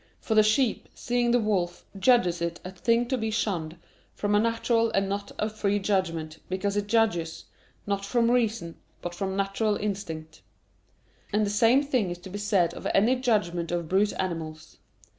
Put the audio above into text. For the sheep, seeing the wolf, judges it a thing to be shunned, from a natural and not a free judgment, because it judges, not from reason, but from natural instinct. And the same thing is to be said of any judgment of brute animals.